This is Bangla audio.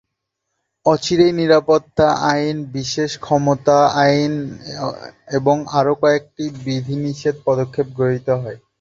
অচিরেই নিরাপত্তা আইন, বিশেষ ক্ষমতা আইন এবং আরও কয়েকটি বিধিনিষেধমূলক পদক্ষেপ গৃহীত হয়।